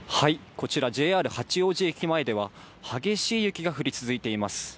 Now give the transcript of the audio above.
こちらＪＲ八王子駅前では、激しい雪が降り続いています。